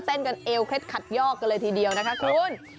เต้นกันเอวเคล็ดขัดยอกกันเลยทีเดียวนะคะคุณ